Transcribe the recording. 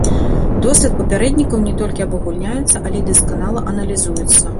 Дослед папярэднікаў не толькі абагульняецца, але і дасканала аналізуецца.